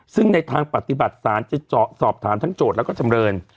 ซึ่งในทางปฏิบัติศาลจะสอบถามทั้งโจทย์แล้วก็จำเริน